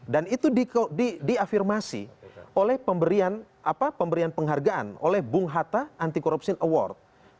dan itu diafirmasi oleh pemberian penghargaan oleh bung hatta anti korupsi award